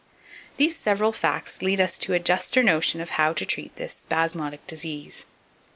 These several facts lead us to a juster notion of how to treat this spasmodic disease.